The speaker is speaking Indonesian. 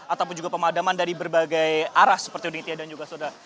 ataupun juga pemadaman dari berbagai arah seperti unitia dan juga saudara